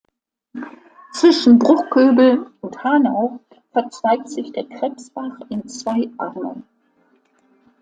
Zwischen Bruchköbel und Hanau verzweigt sich der Krebsbach in zwei Arme.